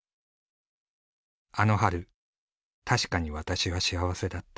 あの春確かに「ワタシ」は幸せだった。